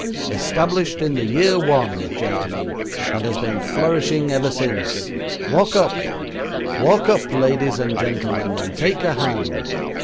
Established in the year one, gentlemen, and been flourishing ever since walk up! Walk up, ladies and gentlemen, and take a hand.